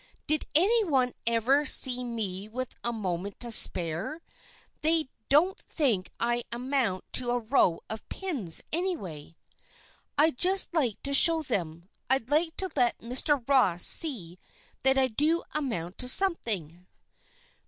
Did any one ever see me with a moment to spare? They don't think I amount to a row of pins, anyway. I'd just like to show them; I'd like to let Mr. Ross see that I do amount to something."